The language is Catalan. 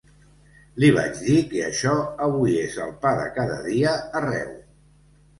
Li vaig dir que això avui és el pa de cada dia arreu.